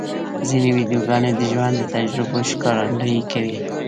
ځینې ویډیوګانې د ژوند د تجربو ښکارندویي کوي.